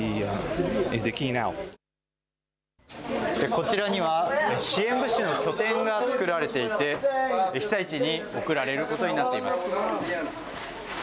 こちらには支援物資の拠点が作られていて被災地に送られることになっています。